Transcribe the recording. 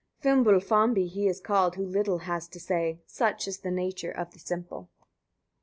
104. Fimbulfambi he is called who' little has to say: such is the nature of the simple. 105.